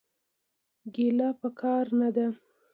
ګيله پکار نه ده.